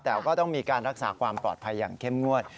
แต่ก็ต้องมีการรักษาความปลอดภัยอย่างเข้มงวด